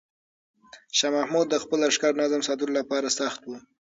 شاه محمود د خپل لښکر نظم ساتلو لپاره سخت و.